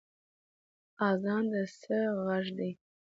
اذان د څه غږ دی؟